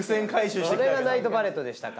それが「ナイトバレット」でしたか。